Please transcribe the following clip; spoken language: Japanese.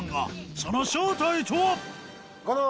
その正体とは？